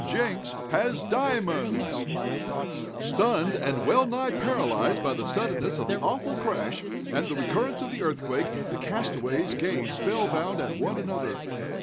JENKS HAS DIAMONDS Stunned, and well nigh paralyzed by the suddenness of the awful crash, and the recurrence of the earthquake, the castaways gazed spell bound at one another.